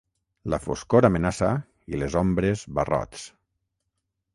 La foscor amenaça i les ombres barrots.